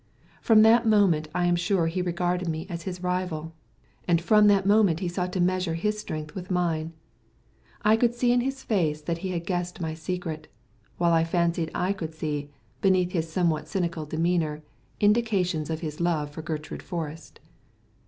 From that moment I am sure he regarded me as his rival, and from that moment he sought to measure his strength with mine. I could see in his face that he had guessed my secret, while I fancied I could see, beneath his somewhat cynical demeanour, indications of his love for Gertrude Forrest.